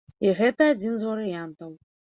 І гэта адзін з варыянтаў.